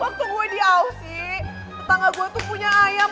waktu gue diausi tetangga gue tuh punya ayam